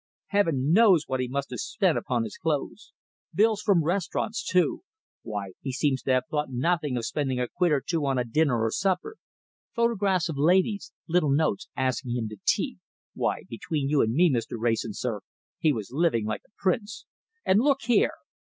Heaven knows what he must have spent upon his clothes. Bills from restaurants, too; why, he seems to have thought nothing of spending a quid or two on a dinner or a supper. Photographs of ladies, little notes asking him to tea; why, between you and me, Mr. Wrayson, sir, he was living like a prince! And look here!"